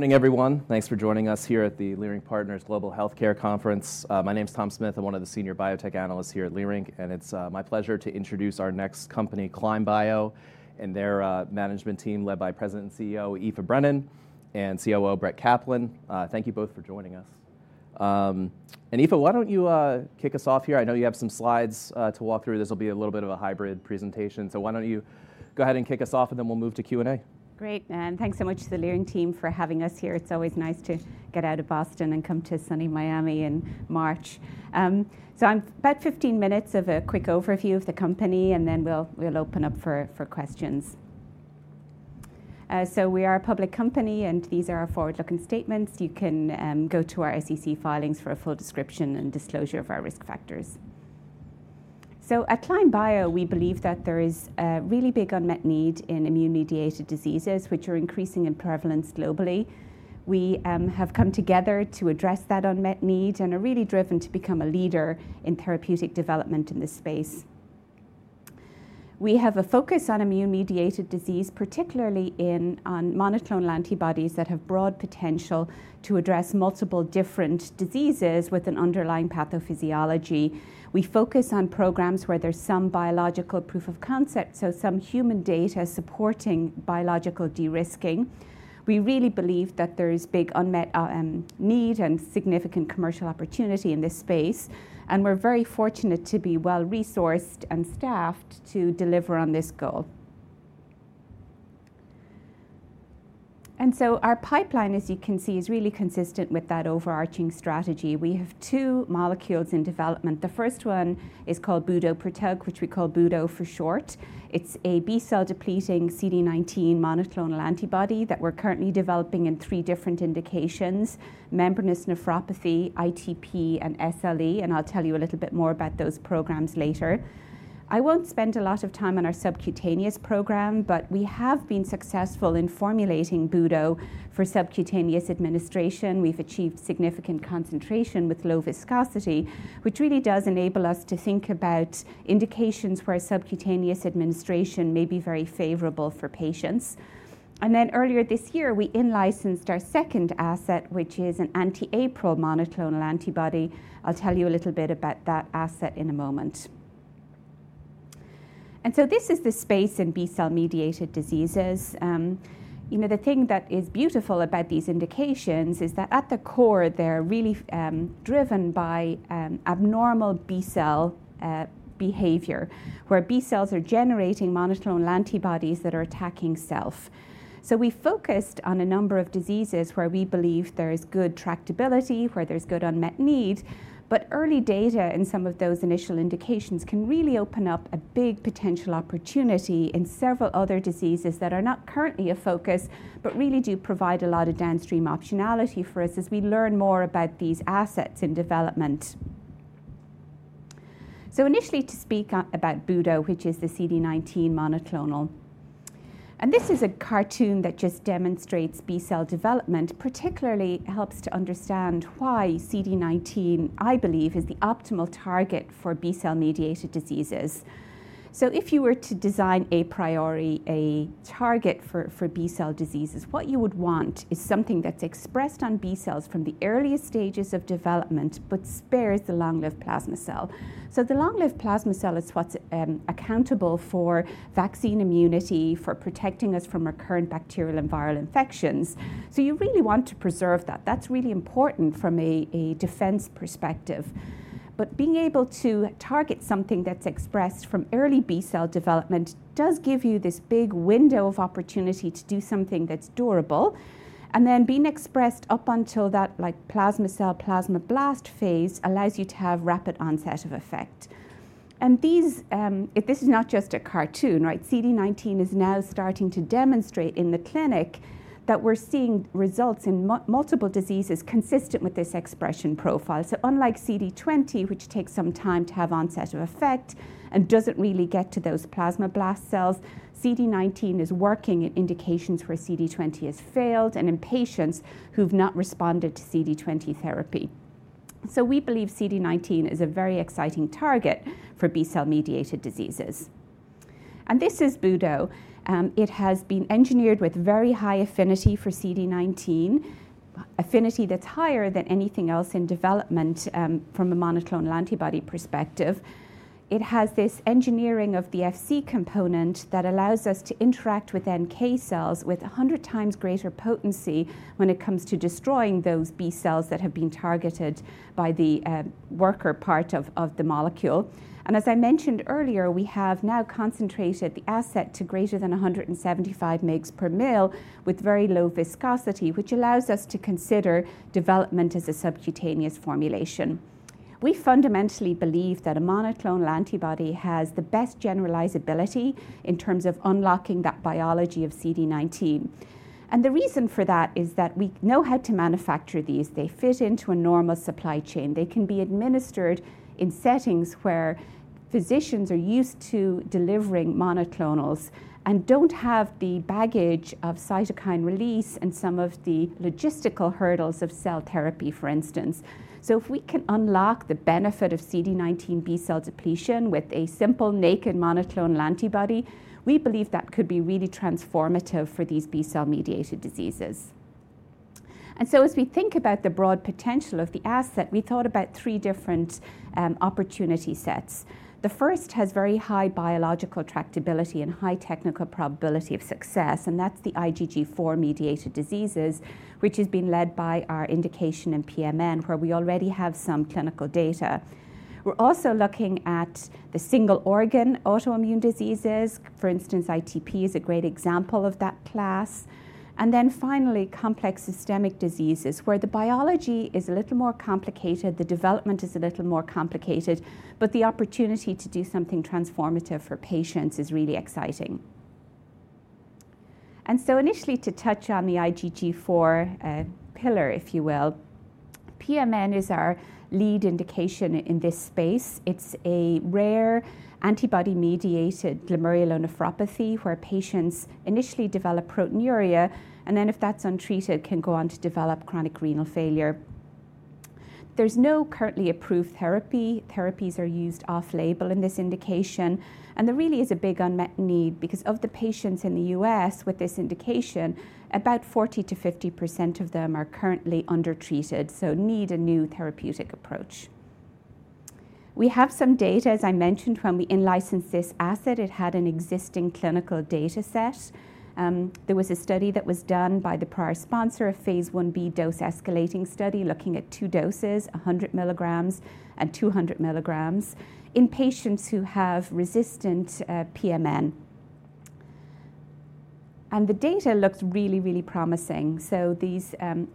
Morning, everyone. Thanks for joining us here at the Leerink Partners Global Healthcare Conference. My name is Tom Smith. I'm one of the senior biotech analysts here at Leerink. It's my pleasure to introduce our next company, Climb Bio, and their management team led by President and CEO Aoife Brennan and COO Brett Kaplan. Thank you both for joining us. Aoife, why don't you kick us off here? I know you have some slides to walk through. This will be a little bit of a hybrid presentation. Why don't you go ahead and kick us off, and then we'll move to Q&A. Great. Thanks so much to the Leerink team for having us here. It's always nice to get out of Boston and come to sunny Miami in March. About 15 minutes of a quick overview of the company, and then we'll open up for questions. We are a public company, and these are our forward-looking statements. You can go to our SEC filings for a full description and disclosure of our risk factors. At Climb Bio, we believe that there is a really big unmet need in immune-mediated diseases, which are increasing in prevalence globally. We have come together to address that unmet need and are really driven to become a leader in therapeutic development in this space. We have a focus on immune-mediated disease, particularly on monoclonal antibodies that have broad potential to address multiple different diseases with an underlying pathophysiology. We focus on programs where there's some biological proof of concept, so some human data supporting biological de-risking. We really believe that there is big unmet need and significant commercial opportunity in this space. We're very fortunate to be well-resourced and staffed to deliver on this goal. Our pipeline, as you can see, is really consistent with that overarching strategy. We have two molecules in development. The first one is called budoprutug, which we call Budo for short. It's a B-cell-depleting CD19 monoclonal antibody that we're currently developing in three different indications: membranous nephropathy, ITP, and SLE. I'll tell you a little bit more about those programs later. I won't spend a lot of time on our subcutaneous program, but we have been successful in formulating Budo for subcutaneous administration. We've achieved significant concentration with low viscosity, which really does enable us to think about indications where subcutaneous administration may be very favorable for patients. Earlier this year, we in-licensed our second asset, which is an anti-APRIL monoclonal antibody. I'll tell you a little bit about that asset in a moment. This is the space in B-cell-mediated diseases. The thing that is beautiful about these indications is that at the core, they're really driven by abnormal B-cell behavior, where B-cells are generating monoclonal antibodies that are attacking self. We focused on a number of diseases where we believe there is good tractability, where there's good unmet need. Early data in some of those initial indications can really open up a big potential opportunity in several other diseases that are not currently a focus, but really do provide a lot of downstream optionality for us as we learn more about these assets in development. Initially, to speak about Budo, which is the CD19 monoclonal. This is a cartoon that just demonstrates B-cell development, particularly helps to understand why CD19, I believe, is the optimal target for B-cell-mediated diseases. If you were to design a priori, a target for B-cell diseases, what you would want is something that's expressed on B-cells from the earliest stages of development, but spares the long-lived plasma cell. The long-lived plasma cell is what's accountable for vaccine immunity, for protecting us from recurrent bacterial and viral infections. You really want to preserve that. That's really important from a defense perspective. Being able to target something that's expressed from early B-cell development does give you this big window of opportunity to do something that's durable. Then being expressed up until that plasma cell, plasmablast phase allows you to have rapid onset of effect. This is not just a cartoon. CD19 is now starting to demonstrate in the clinic that we're seeing results in multiple diseases consistent with this expression profile. Unlike CD20, which takes some time to have onset of effect and doesn't really get to those plasmablast cells, CD19 is working in indications where CD20 has failed and in patients who've not responded to CD20 therapy. We believe CD19 is a very exciting target for B-cell-mediated diseases. This is Budo. It has been engineered with very high affinity for CD19, affinity that's higher than anything else in development from a monoclonal antibody perspective. It has this engineering of the Fc component that allows us to interact with NK cells with 100 times greater potency when it comes to destroying those B-cells that have been targeted by the worker part of the molecule. As I mentioned earlier, we have now concentrated the asset to greater than 175 mg/mL with very low viscosity, which allows us to consider development as a subcutaneous formulation. We fundamentally believe that a monoclonal antibody has the best generalizability in terms of unlocking that biology of CD19. The reason for that is that we know how to manufacture these. They fit into a normal supply chain. They can be administered in settings where physicians are used to delivering monoclonals and do not have the baggage of cytokine release and some of the logistical hurdles of cell therapy, for instance. If we can unlock the benefit of CD19 B-cell depletion with a simple naked monoclonal antibody, we believe that could be really transformative for these B-cell-mediated diseases. As we think about the broad potential of the asset, we thought about three different opportunity sets. The first has very high biological tractability and high technical probability of success. That is the IgG4-mediated diseases, which has been led by our indication in PMN, where we already have some clinical data. We are also looking at the single organ autoimmune diseases. For instance, ITP is a great example of that class. Finally, complex systemic diseases, where the biology is a little more complicated, the development is a little more complicated, but the opportunity to do something transformative for patients is really exciting. Initially, to touch on the IgG4 pillar, if you will, PMN is our lead indication in this space. It is a rare antibody-mediated glomerulonephropathy where patients initially develop proteinuria, and then if that is untreated, can go on to develop chronic renal failure. There is no currently approved therapy. Therapies are used off-label in this indication. There really is a big unmet need because of the patients in the US with this indication, about 40%-50% of them are currently undertreated, so need a new therapeutic approach. We have some data. As I mentioned, when we in-licensed this asset, it had an existing clinical data set. There was a study that was done by the prior sponsor, a phase 1b dose escalating study looking at two doses, 100 milligrams and 200 milligrams, in patients who have resistant PMN. The data looked really, really promising.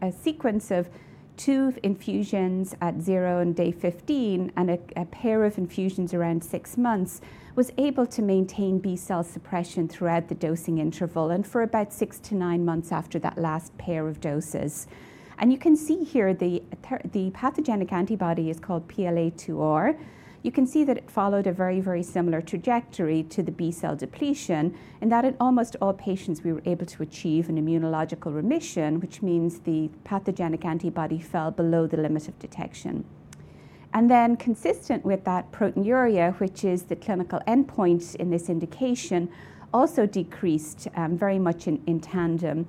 A sequence of two infusions at zero and day 15 and a pair of infusions around six months was able to maintain B-cell suppression throughout the dosing interval and for about six to nine months after that last pair of doses. You can see here the pathogenic antibody is called PLA2R. You can see that it followed a very, very similar trajectory to the B-cell depletion in that in almost all patients, we were able to achieve an immunological remission, which means the pathogenic antibody fell below the limit of detection. Consistent with that, proteinuria, which is the clinical endpoint in this indication, also decreased very much in tandem.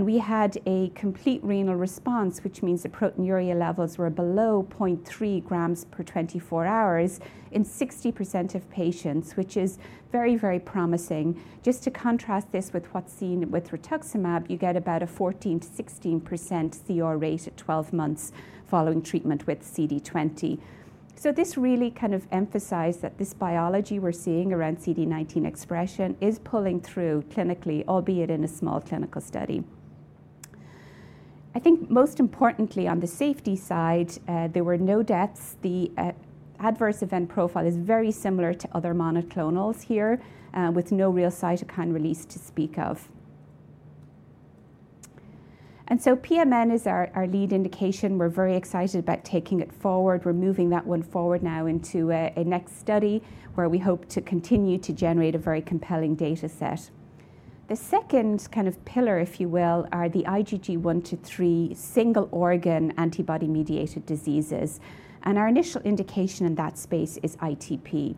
We had a complete renal response, which means the proteinuria levels were below 0.3 grams per 24 hours in 60% of patients, which is very, very promising. Just to contrast this with what's seen with rituximab, you get about a 14%-16% CR rate at 12 months following treatment with CD20. This really kind of emphasized that this biology we're seeing around CD19 expression is pulling through clinically, albeit in a small clinical study. I think most importantly, on the safety side, there were no deaths. The adverse event profile is very similar to other monoclonals here, with no real cytokine release to speak of. PMN is our lead indication. We're very excited about taking it forward. We're moving that one forward now into a next study where we hope to continue to generate a very compelling data set. The second kind of pillar, if you will, are the IgG1 to 3 single organ antibody-mediated diseases. Our initial indication in that space is ITP.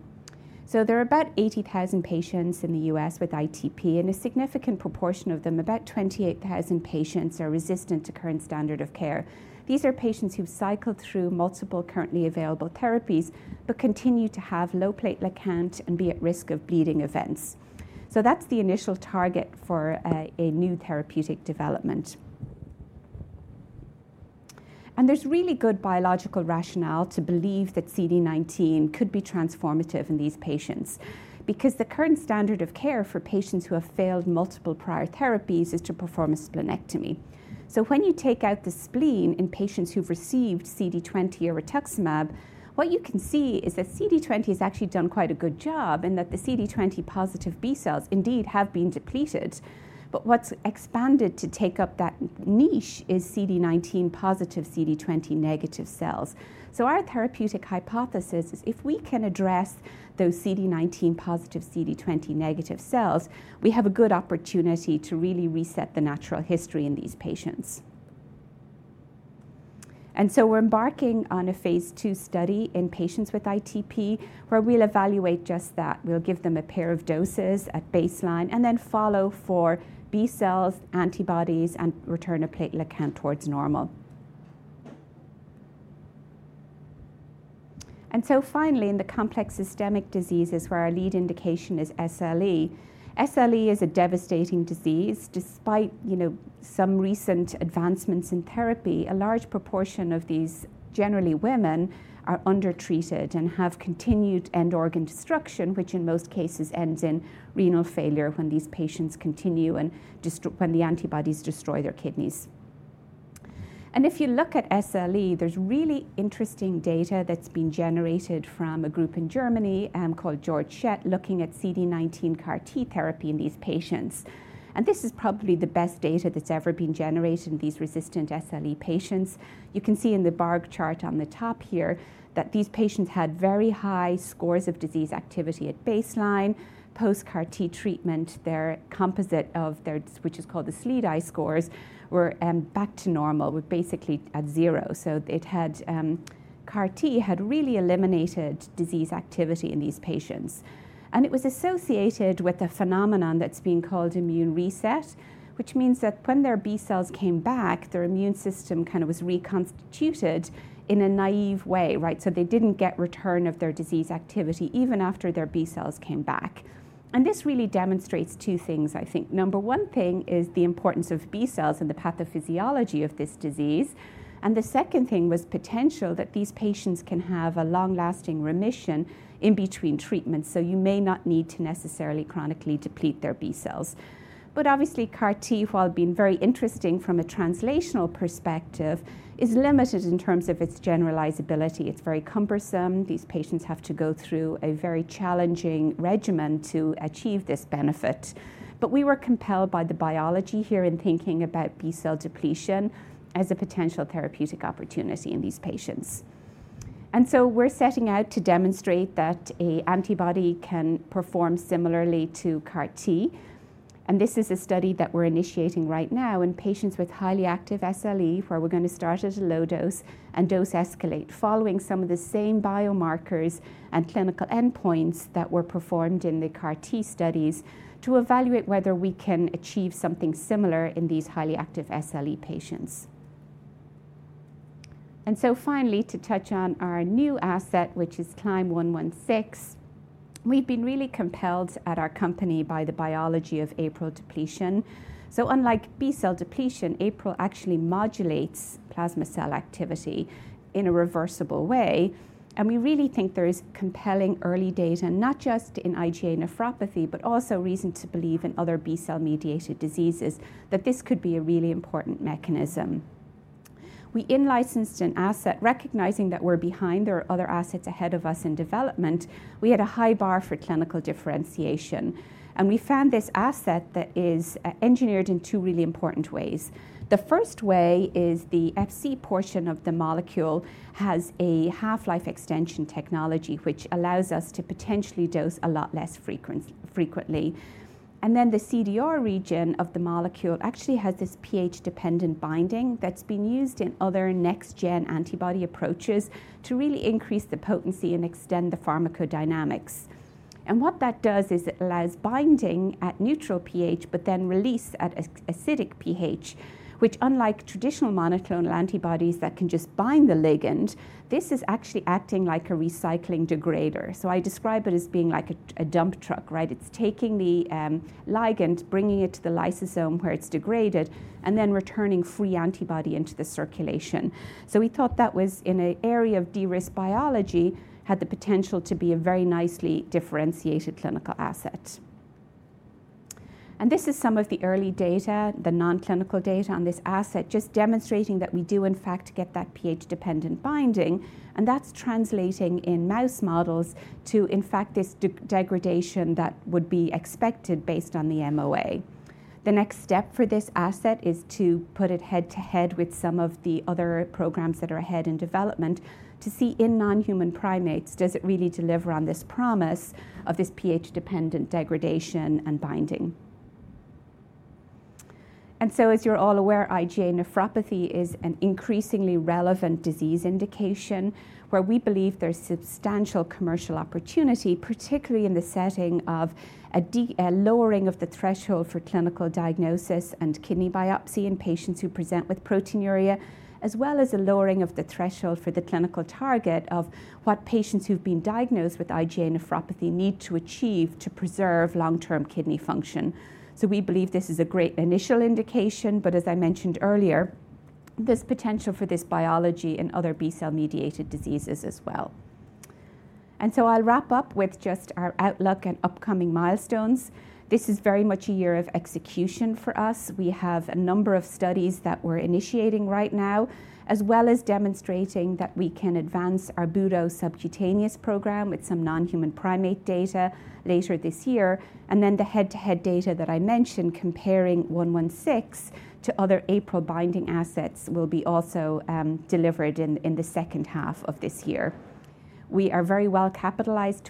There are about 80,000 patients in the US with ITP, and a significant proportion of them, about 28,000 patients, are resistant to current standard of care. These are patients who've cycled through multiple currently available therapies but continue to have low platelet count and be at risk of bleeding events. That's the initial target for a new therapeutic development. There's really good biological rationale to believe that CD19 could be transformative in these patients because the current standard of care for patients who have failed multiple prior therapies is to perform a splenectomy. When you take out the spleen in patients who've received CD20 or rituximab, what you can see is that CD20 has actually done quite a good job and that the CD20 positive B-cells indeed have been depleted. What's expanded to take up that niche is CD19 positive CD20 negative cells. Our therapeutic hypothesis is if we can address those CD19 positive CD20 negative cells, we have a good opportunity to really reset the natural history in these patients. We are embarking on a phase 2 study in patients with ITP, where we'll evaluate just that. We'll give them a pair of doses at baseline and then follow for B-cells, antibodies, and return a platelet count towards normal. Finally, in the complex systemic diseases where our lead indication is SLE, SLE is a devastating disease. Despite some recent advancements in therapy, a large proportion of these, generally women, are undertreated and have continued end-organ destruction, which in most cases ends in renal failure when these patients continue and when the antibodies destroy their kidneys. If you look at SLE, there's really interesting data that's been generated from a group in Germany called Georg Schett looking at CD19 CAR-T therapy in these patients. This is probably the best data that's ever been generated in these resistant SLE patients. You can see in the bar chart on the top here that these patients had very high scores of disease activity at baseline. Post-CAR-T treatment, their composite of their, which is called the SLEDAI scores, were back to normal, were basically at zero. CAR-T had really eliminated disease activity in these patients. It was associated with a phenomenon that's being called immune reset, which means that when their B-cells came back, their immune system kind of was reconstituted in a naive way. They didn't get return of their disease activity even after their B-cells came back. This really demonstrates two things, I think. Number one thing is the importance of B-cells in the pathophysiology of this disease. The second thing was potential that these patients can have a long-lasting remission in between treatments. You may not need to necessarily chronically deplete their B-cells. Obviously, CAR-T, while being very interesting from a translational perspective, is limited in terms of its generalizability. It's very cumbersome. These patients have to go through a very challenging regimen to achieve this benefit. We were compelled by the biology here in thinking about B-cell depletion as a potential therapeutic opportunity in these patients. We are setting out to demonstrate that an antibody can perform similarly to CAR-T. This is a study that we are initiating right now in patients with highly active SLE, where we are going to start at a low dose and dose escalate following some of the same biomarkers and clinical endpoints that were performed in the CAR-T studies to evaluate whether we can achieve something similar in these highly active SLE patients. Finally, to touch on our new asset, which is CLYM116, we have been really compelled at our company by the biology of APRIL depletion. Unlike B-cell depletion, APRIL actually modulates plasma cell activity in a reversible way. We really think there is compelling early data, not just in IgA nephropathy, but also reason to believe in other B-cell-mediated diseases, that this could be a really important mechanism. We in-licensed an asset, recognizing that we're behind. There are other assets ahead of us in development. We had a high bar for clinical differentiation. We found this asset that is engineered in two really important ways. The first way is the FC portion of the molecule has a half-life extension technology, which allows us to potentially dose a lot less frequently. The CDR region of the molecule actually has this pH-dependent binding that's been used in other next-gen antibody approaches to really increase the potency and extend the pharmacodynamics. What that does is it allows binding at neutral pH, but then release at acidic pH, which, unlike traditional monoclonal antibodies that can just bind the ligand, this is actually acting like a recycling degrader. I describe it as being like a dump truck. It's taking the ligand, bringing it to the lysosome where it's degraded, and then returning free antibody into the circulation. We thought that was in an area of de-risk biology, had the potential to be a very nicely differentiated clinical asset. This is some of the early data, the non-clinical data on this asset, just demonstrating that we do, in fact, get that pH-dependent binding. That's translating in mouse models to, in fact, this degradation that would be expected based on the MOA. The next step for this asset is to put it head to head with some of the other programs that are ahead in development to see in non-human primates, does it really deliver on this promise of this pH-dependent degradation and binding. As you're all aware, IgA nephropathy is an increasingly relevant disease indication where we believe there's substantial commercial opportunity, particularly in the setting of a lowering of the threshold for clinical diagnosis and kidney biopsy in patients who present with proteinuria, as well as a lowering of the threshold for the clinical target of what patients who've been diagnosed with IgA nephropathy need to achieve to preserve long-term kidney function. We believe this is a great initial indication, but as I mentioned earlier, there's potential for this biology in other B-cell-mediated diseases as well. I'll wrap up with just our outlook and upcoming milestones. This is very much a year of execution for us. We have a number of studies that we're initiating right now, as well as demonstrating that we can advance our Budo subcutaneous program with some non-human primate data later this year. The head-to-head data that I mentioned, comparing 116 to other APRIL binding assets, will be also delivered in the second half of this year. We are very well capitalized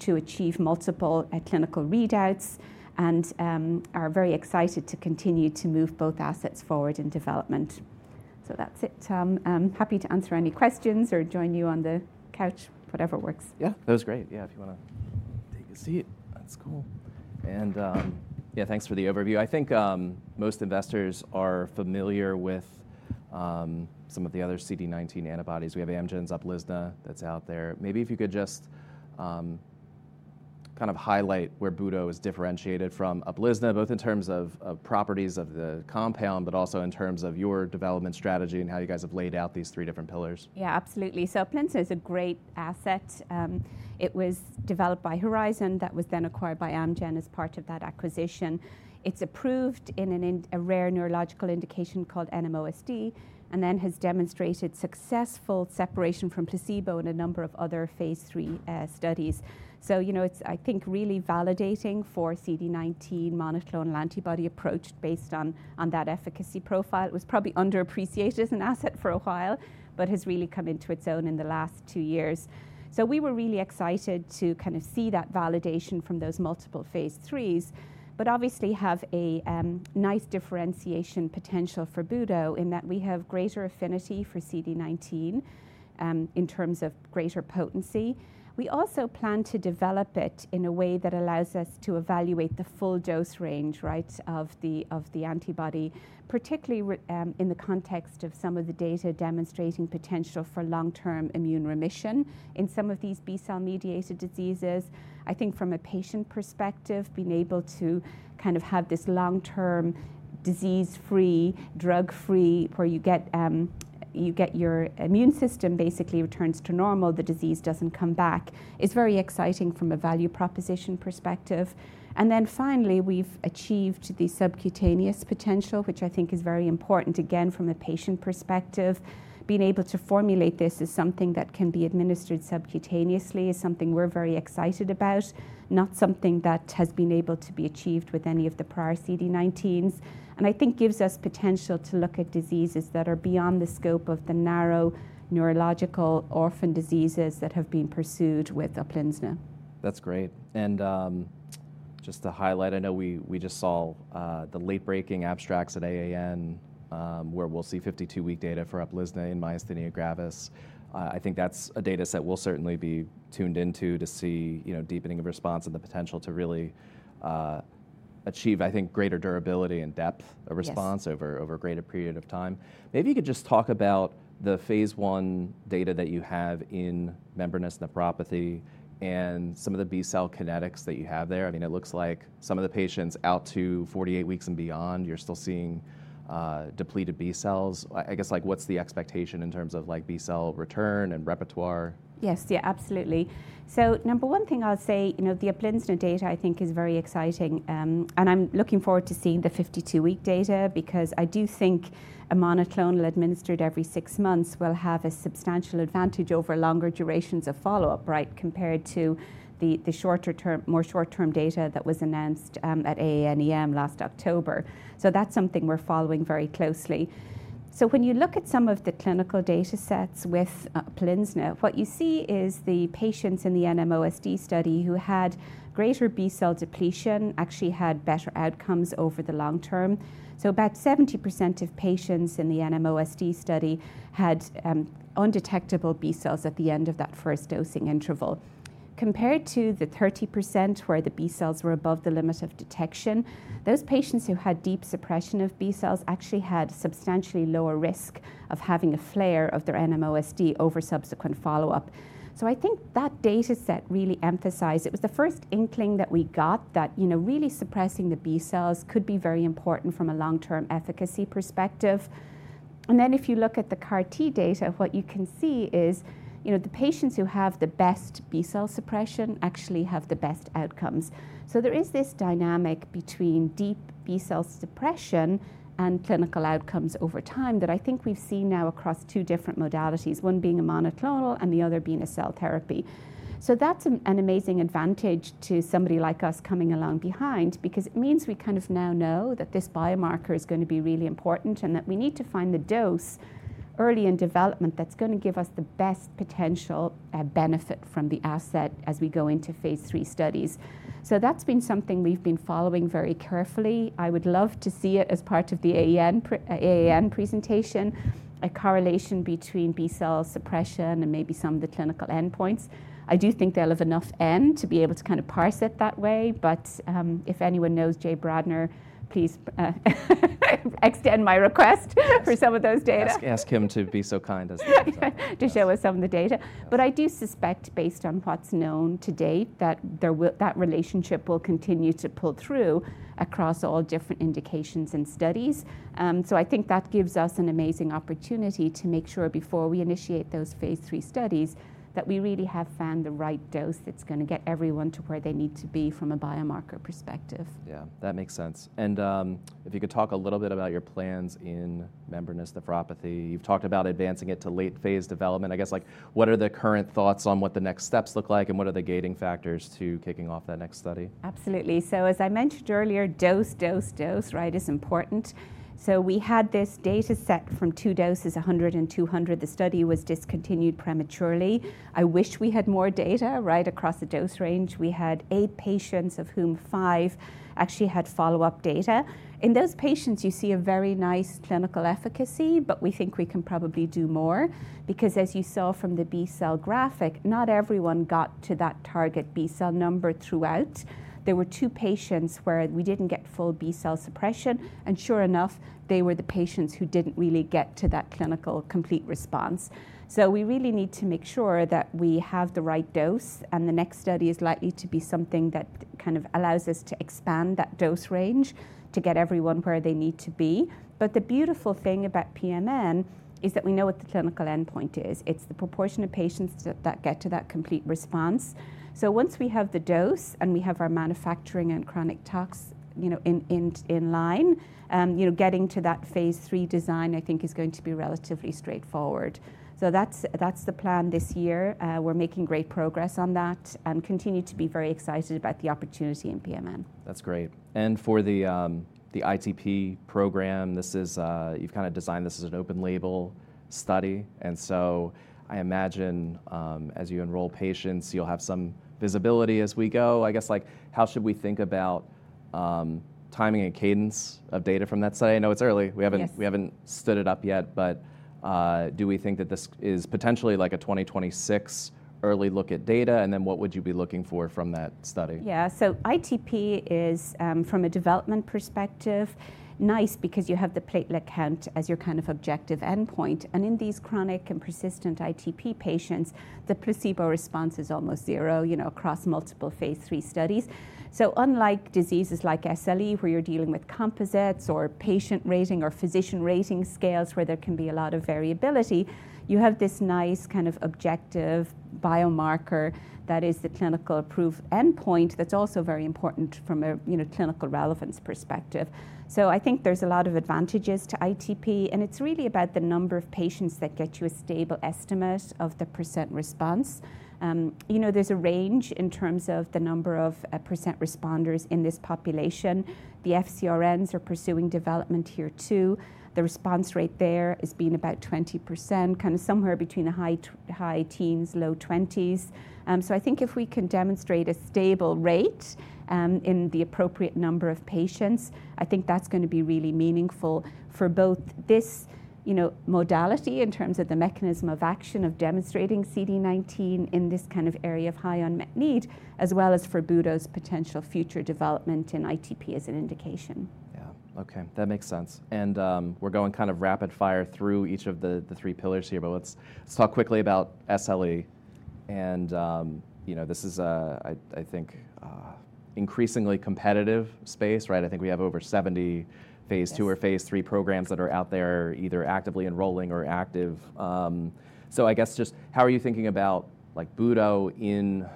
to achieve multiple clinical readouts and are very excited to continue to move both assets forward in development. That's it. I'm happy to answer any questions or join you on the couch, whatever works. Yeah, that was great. Yeah, if you want to take a seat, that's cool. Yeah, thanks for the overview. I think most investors are familiar with some of the other CD19 antibodies. We have Amgen's Uplizna that's out there. Maybe if you could just kind of highlight where Budo is differentiated from Uplizna, both in terms of properties of the compound, but also in terms of your development strategy and how you guys have laid out these three different pillars. Yeah, absolutely. Uplizna is a great asset. It was developed by Horizon that was then acquired by Amgen as part of that acquisition. It's approved in a rare neurological indication called NMOSD and has demonstrated successful separation from placebo in a number of other phase 3 studies. It's, I think, really validating for CD19 monoclonal antibody approach based on that efficacy profile. It was probably underappreciated as an asset for a while, but has really come into its own in the last two years. We were really excited to kind of see that validation from those multiple phase 3s, but obviously have a nice differentiation potential for Budo in that we have greater affinity for CD19 in terms of greater potency. We also plan to develop it in a way that allows us to evaluate the full dose range of the antibody, particularly in the context of some of the data demonstrating potential for long-term immune remission in some of these B-cell-mediated diseases. I think from a patient perspective, being able to kind of have this long-term disease-free, drug-free, where you get your immune system basically returns to normal, the disease doesn't come back, is very exciting from a value proposition perspective. Finally, we've achieved the subcutaneous potential, which I think is very important, again, from a patient perspective. Being able to formulate this as something that can be administered subcutaneously is something we're very excited about, not something that has been able to be achieved with any of the prior CD19s. I think it gives us potential to look at diseases that are beyond the scope of the narrow neurological orphan diseases that have been pursued with Uplizna. That's great. Just to highlight, I know we just saw the late-breaking abstracts at AAN where we'll see 52-week data for Uplizna in myasthenia gravis. I think that's a data set we'll certainly be tuned into to see deepening of response and the potential to really achieve, I think, greater durability and depth of response over a greater period of time. Maybe you could just talk about the phase 1 data that you have in membranous nephropathy and some of the B-cell kinetics that you have there. I mean, it looks like some of the patients out to 48 weeks and beyond, you're still seeing depleted B-cells. I guess, what's the expectation in terms of B-cell return and repertoire? Yes, yeah, absolutely. Number one thing I'll say, the Uplizna data, I think, is very exciting. I'm looking forward to seeing the 52-week data because I do think a monoclonal administered every six months will have a substantial advantage over longer durations of follow-up compared to the more short-term data that was announced at AANEM last October. That's something we're following very closely. When you look at some of the clinical data sets with Uplizna, what you see is the patients in the NMOSD study who had greater B-cell depletion actually had better outcomes over the long term. About 70% of patients in the NMOSD study had undetectable B-cells at the end of that first dosing interval. Compared to the 30% where the B-cells were above the limit of detection, those patients who had deep suppression of B-cells actually had substantially lower risk of having a flare of their NMOSD over subsequent follow-up. I think that data set really emphasized, it was the first inkling that we got that really suppressing the B-cells could be very important from a long-term efficacy perspective. If you look at the CAR-T data, what you can see is the patients who have the best B-cell suppression actually have the best outcomes. There is this dynamic between deep B-cell suppression and clinical outcomes over time that I think we've seen now across two different modalities, one being a monoclonal and the other being a cell therapy. That's an amazing advantage to somebody like us coming along behind because it means we kind of now know that this biomarker is going to be really important and that we need to find the dose early in development that's going to give us the best potential benefit from the asset as we go into phase 3 studies. That's been something we've been following very carefully. I would love to see it as part of the AAN presentation, a correlation between B-cell suppression and maybe some of the clinical endpoints. I do think they'll have enough N to be able to kind of parse it that way. If anyone knows Jay Bradner, please extend my request for some of those data. Ask him to be so kind as to show us some of the data. I do suspect, based on what's known to date, that that relationship will continue to pull through across all different indications and studies. I think that gives us an amazing opportunity to make sure before we initiate those phase 3 studies that we really have found the right dose that's going to get everyone to where they need to be from a biomarker perspective. Yeah, that makes sense. If you could talk a little bit about your plans in membranous nephropathy. You've talked about advancing it to late phase development. I guess, what are the current thoughts on what the next steps look like and what are the gating factors to kicking off that next study? Absolutely. As I mentioned earlier, dose, dose, dose is important. We had this data set from two doses, 100 and 200. The study was discontinued prematurely. I wish we had more data across the dose range. We had eight patients, of whom five actually had follow-up data. In those patients, you see a very nice clinical efficacy, but we think we can probably do more because, as you saw from the B-cell graphic, not everyone got to that target B-cell number throughout. There were two patients where we did not get full B-cell suppression. Sure enough, they were the patients who did not really get to that clinical complete response. We really need to make sure that we have the right dose. The next study is likely to be something that kind of allows us to expand that dose range to get everyone where they need to be. The beautiful thing about PMN is that we know what the clinical endpoint is. It is the proportion of patients that get to that complete response. Once we have the dose and we have our manufacturing and chronic tox in line, getting to that phase 3 design, I think, is going to be relatively straightforward. That is the plan this year. We are making great progress on that and continue to be very excited about the opportunity in PMN. That is great. For the ITP program, you have kind of designed this as an open-label study. I imagine as you enroll patients, you will have some visibility as we go. I guess, how should we think about timing and cadence of data from that study? I know it is early. We have not stood it up yet, but do we think that this is potentially like a 2026 early look at data? What would you be looking for from that study? Yeah, ITP is, from a development perspective, nice because you have the platelet count as your kind of objective endpoint. In these chronic and persistent ITP patients, the placebo response is almost zero across multiple phase 3 studies. Unlike diseases like SLE, where you're dealing with composites or patient rating or physician rating scales where there can be a lot of variability, you have this nice kind of objective biomarker that is the clinical approved endpoint that's also very important from a clinical relevance perspective. I think there's a lot of advantages to ITP. It's really about the number of patients that get you a stable estimate of the % response. There's a range in terms of the number of % responders in this population. The FcRns are pursuing development here too. The response rate there is being about 20%, kind of somewhere between the high teens, low 20s. I think if we can demonstrate a stable rate in the appropriate number of patients, I think that's going to be really meaningful for both this modality in terms of the mechanism of action of demonstrating CD19 in this kind of area of high unmet need, as well as for Budo's potential future development in ITP as an indication. Yeah, okay. That makes sense. We're going kind of rapid fire through each of the three pillars here, but let's talk quickly about SLE. This is, I think, increasingly competitive space. I think we have over 70 phase 2 or phase 3 programs that are out there either actively enrolling or active. I guess just how are you thinking about Budo in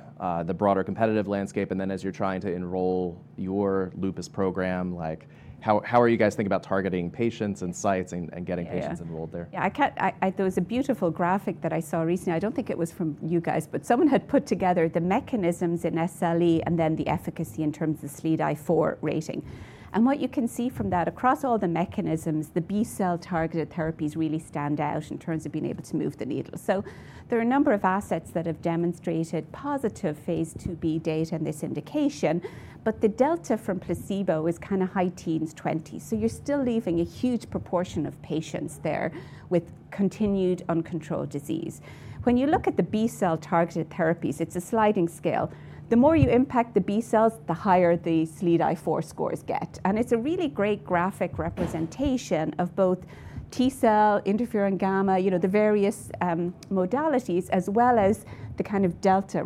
the broader competitive landscape? As you're trying to enroll your lupus program, how are you guys thinking about targeting patients and sites and getting patients enrolled there? Yeah, there was a beautiful graphic that I saw recently. I don't think it was from you guys, but someone had put together the mechanisms in SLE and then the efficacy in terms of the SLEDAI-4 rating. What you can see from that across all the mechanisms, the B-cell targeted therapies really stand out in terms of being able to move the needle. There are a number of assets that have demonstrated positive phase 2B data in this indication, but the delta from placebo is kind of high teens, 20s. You're still leaving a huge proportion of patients there with continued uncontrolled disease. When you look at the B-cell targeted therapies, it's a sliding scale. The more you impact the B-cells, the higher the SLEDAI-4 scores get. It is a really great graphic representation of both T-cell, interferon gamma, the various modalities, as well as the kind of delta.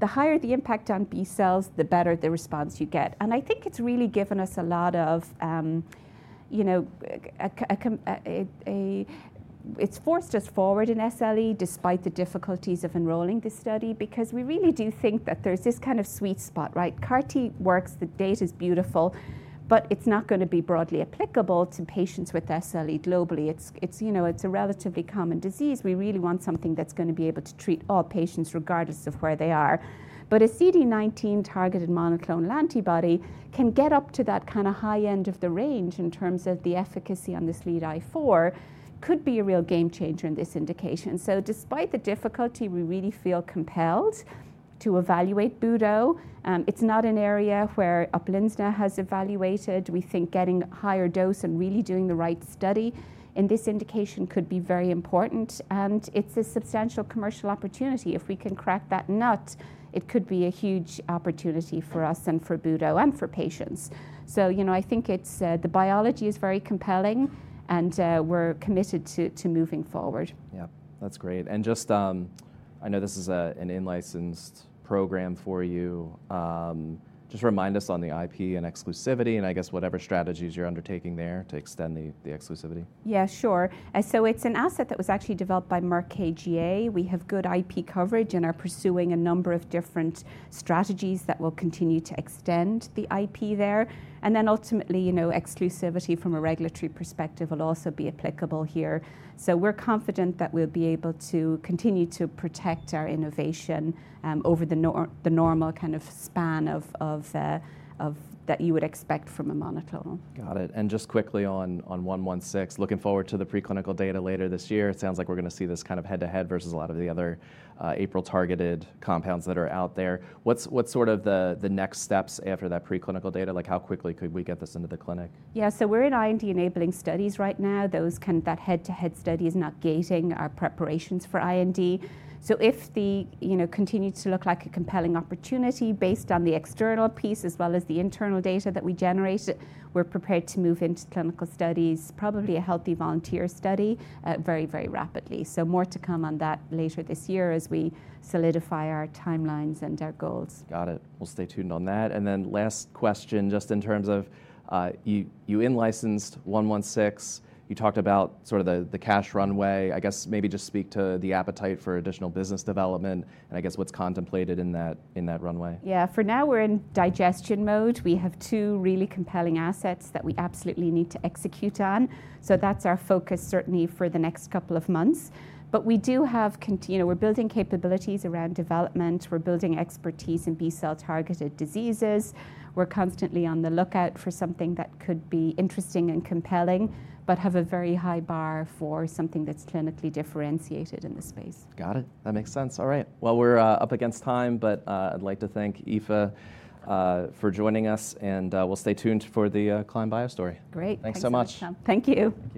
The higher the impact on B-cells, the better the response you get. I think it has really given us a lot of—it has forced us forward in SLE despite the difficulties of enrolling this study because we really do think that there is this kind of sweet spot. CAR-T works, the data is beautiful, but it is not going to be broadly applicable to patients with SLE globally. It is a relatively common disease. We really want something that is going to be able to treat all patients regardless of where they are. A CD19 targeted monoclonal antibody can get up to that kind of high end of the range in terms of the efficacy on the SLEDAI-4, could be a real game changer in this indication. Despite the difficulty, we really feel compelled to evaluate Budo. It's not an area where Uplizna has evaluated. We think getting a higher dose and really doing the right study in this indication could be very important. It's a substantial commercial opportunity. If we can crack that nut, it could be a huge opportunity for us and for Budo and for patients. I think the biology is very compelling, and we're committed to moving forward. Yeah, that's great. I know this is an in-licensed program for you. Just remind us on the IP and exclusivity and I guess whatever strategies you're undertaking there to extend the exclusivity. Yeah, sure. It's an asset that was actually developed by Merck KGaA. We have good IP coverage and are pursuing a number of different strategies that will continue to extend the IP there. Ultimately, exclusivity from a regulatory perspective will also be applicable here. We're confident that we'll be able to continue to protect our innovation over the normal kind of span that you would expect from a monoclonal. Got it. Just quickly on 116, looking forward to the preclinical data later this year. It sounds like we're going to see this kind of head-to-head versus a lot of the other APRIL targeted compounds that are out there. What's sort of the next steps after that preclinical data? How quickly could we get this into the clinic? Yeah, we're in IND enabling studies right now. That head-to-head study is now gating our preparations for IND. If it continues to look like a compelling opportunity based on the external piece as well as the internal data that we generated, we're prepared to move into clinical studies, probably a healthy volunteer study very, very rapidly. More to come on that later this year as we solidify our timelines and our goals. Got it. We'll stay tuned on that. Last question, just in terms of you in-licensed 116, you talked about sort of the cash runway. I guess maybe just speak to the appetite for additional business development and I guess what's contemplated in that runway. Yeah, for now, we're in digestion mode. We have two really compelling assets that we absolutely need to execute on. That's our focus certainly for the next couple of months. We do have, we're building capabilities around development. We're building expertise in B-cell targeted diseases. We're constantly on the lookout for something that could be interesting and compelling, but have a very high bar for something that's clinically differentiated in the space. Got it. That makes sense. All right. We're up against time, but I'd like to thank Eva for joining us. We'll stay tuned for the Climb Bio story. Great. Thanks so much. Thank you.